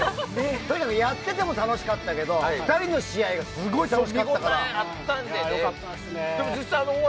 とにかくやってても楽しかったけど２人の試合がすごく楽しかったから。